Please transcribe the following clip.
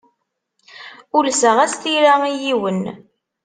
Ulseɣ-as tira i yiwen.